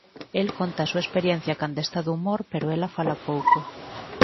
El conta a súa experiencia cando está de humor pero ela fala pouco.